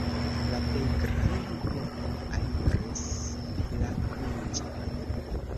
La plej granda grupo aliris la princon.